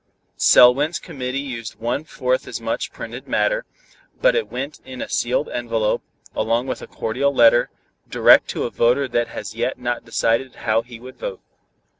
Selwyn's committee used one fourth as much printed matter, but it went in a sealed envelope, along with a cordial letter, direct to a voter that had as yet not decided how he would vote.